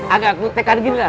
agak kutekan gini lah